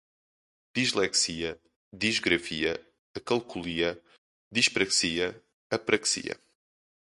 dislexia, disgrafia, acalculia, dispraxia, apraxia